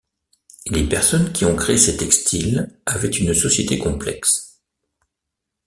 Les personnes qui ont créé ces textiles avaient une société complexe.